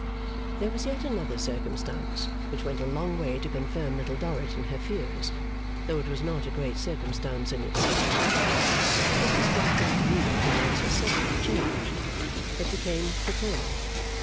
There was yet another circumstance which went a long way to confirm Little Dorrit in her fears, though it was not a great circumstance in itself. Mr Sparkler's demeanour towards herself changed. It became fraternal.